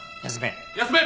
休め。